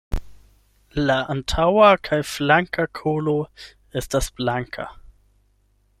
La antaŭa kaj flanka kolo estas blanka.